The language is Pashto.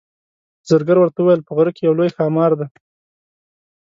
زرګر ورته وویل په غره کې یو لوی ښامار دی.